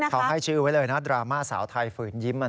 เขาให้ชื่อไว้เลยนะดราม่าสาวไทยฝืนยิ้ม